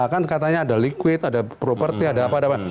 kan katanya ada liquid ada property ada apa apa